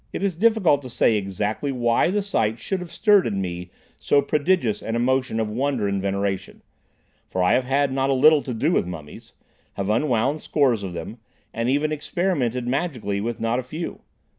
It is difficult to say exactly why the sight should have stirred in me so prodigious an emotion of wonder and veneration, for I have had not a little to do with mummies, have unwound scores of them, and even experimented magically with not a few.